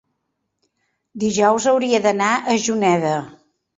dijous hauria d'anar a Juneda.